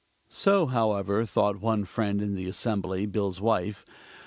So, however, thought one friend in the assembly Bill's wife.